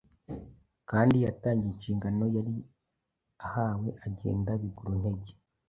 kandi yatangiye inshingano yari ahawe agenda biguru ntege;